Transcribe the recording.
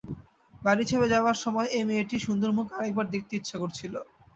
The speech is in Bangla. বাড়ি ছেড়ে যাবার সময় এই মেয়েটির সুন্দর মুখ আরেক বার দেখতে ইচ্ছা করছিল।